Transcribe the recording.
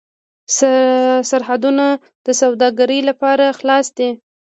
سرحدونه د سوداګرۍ لپاره خلاص دي.